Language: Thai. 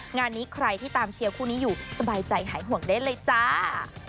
งานนี้ใครที่ตามเชียร์คู่นี้อยู่สบายใจหายห่วงได้เลยจ้า